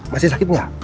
masih sakit gak